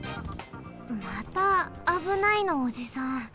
また「あぶない」のおじさん。